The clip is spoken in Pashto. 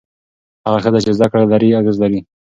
هغه ښځه چې زده کړه لري، اغېز لري.